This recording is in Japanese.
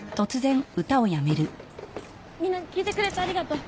みんな聴いてくれてありがとう。